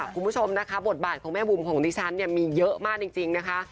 คุณผู้ชมนะคะบทบาทของแม่บุ๋มของดิฉันเนี่ยมีเยอะมากจริงนะคะ